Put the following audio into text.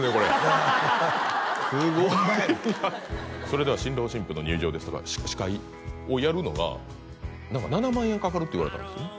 それでは新郎新婦の入場ですとか司会をやるのが何か７万円かかるって言われたんですよね